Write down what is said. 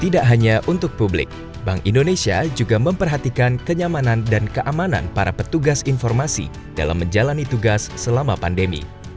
tidak hanya untuk publik bank indonesia juga memperhatikan kenyamanan dan keamanan para petugas informasi dalam menjalani tugas selama pandemi